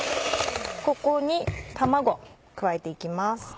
ここに卵加えて行きます。